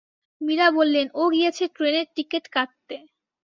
মীরা বললেন, ও গিয়েছে টেনের টিকিট কাটতে।